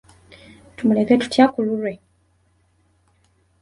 Tumuleka tutya ku lulwe?